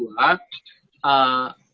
bagaimana perubahan itu bisa dikendalikan